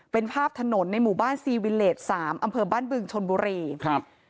เป็นภาพถนนในหมู่บ้านซีวิเลสสามอำเภอบ้านบึงชนบุรีครับ